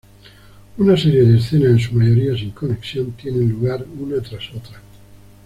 Una serie de escenas en su mayoría sin conexión tienen lugar una tras otra.